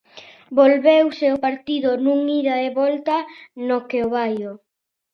Volveuse o partido nun ida e volta no que o Baio.